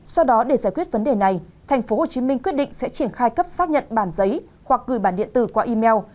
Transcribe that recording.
sau đó để giải quyết vấn đề này tp hcm quyết định sẽ triển khai cấp xác nhận bản giấy hoặc gửi bản điện tử qua email